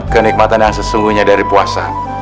kenikmatan yang sesungguhnya dari puasa